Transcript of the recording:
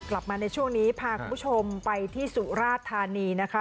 กลับมาในช่วงนี้พาคุณผู้ชมไปที่สุราธานีนะคะ